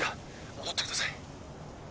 戻ってください